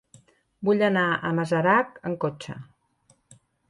Vull anar a Masarac amb cotxe.